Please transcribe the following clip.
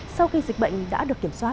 sau khi dịch bệnh đã được kiểm soát